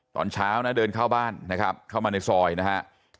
ตอนเช้านะเดินเข้าบ้านนะครับเข้ามาในซอยนะฮะ